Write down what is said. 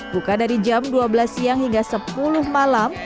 buka dari jam dua belas siang hingga sepuluh malam